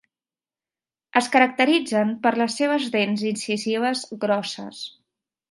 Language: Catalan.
Es caracteritzen per les seves dents incisives grosses.